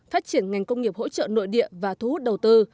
phát triển ngành công nghiệp hỗ trợ nội địa và thu hút đầu tư